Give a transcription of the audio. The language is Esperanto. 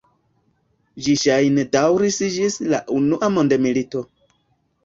Ĝi ŝajne daŭris ĝis la unua mondmilito.